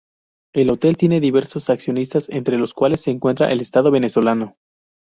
El hotel tiene diversos accionistas, entre los cuales se encuentra el Estado Venezolano.